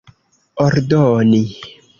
ordoni